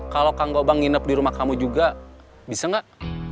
kalau kang gobang nginep di rumah kamu juga bisa nggak